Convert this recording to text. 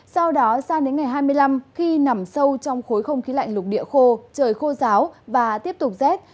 sau đó sang đến ngày hai mươi năm khi nằm sâu trong khối không khí lạnh lục địa khô trời khô giáo và tiếp tục rét